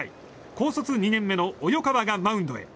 高卒２年目の及川がマウンドへ。